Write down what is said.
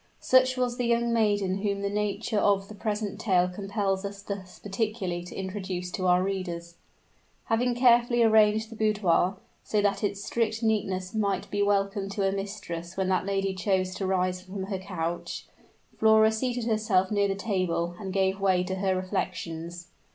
Such was the young maiden whom the nature of the present tale compels us thus particularly to introduce to our readers. Having carefully arranged the boudoir, so that its strict neatness might be welcome to her mistress when that lady chose to rise from her couch, Flora seated herself near the table, and gave way to her reflections.